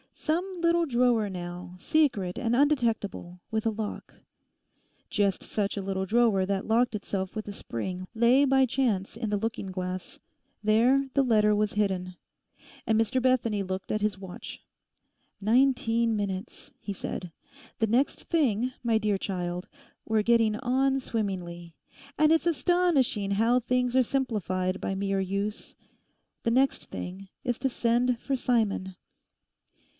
'Some little drawer now, secret and undetectable, with a lock.' Just such a little drawer that locked itself with a spring lay by chance in the looking glass. There the letter was hidden. And Mr Bethany looked at his watch. 'Nineteen minutes,' he said. 'The next thing, my dear child—we're getting on swimmingly—and it's astonishing how things are simplified by mere use—the next thing is to send for Simon.